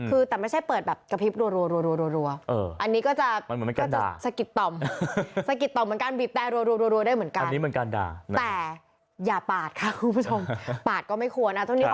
คือแต่ไม่ใช่เปิดแบบกระพริบรัว